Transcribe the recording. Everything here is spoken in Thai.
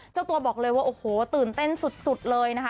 เจ้าตัวบอกเลยว่าโอ้โหตื่นเต้นสุดเลยนะคะ